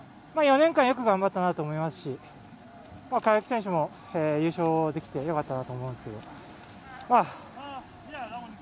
４年間よく頑張ったなと思いますし川除選手も優勝できてよかったなと思うんですけど。